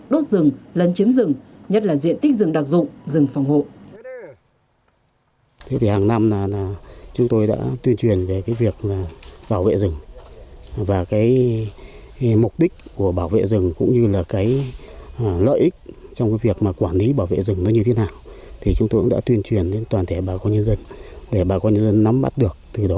đốt rừng lấn chiếm rừng nhất là diện tích rừng đặc dụng rừng phòng hộ